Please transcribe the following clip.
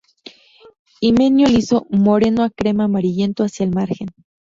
Himenio liso, moreno a crema-amarillento hacia el margen.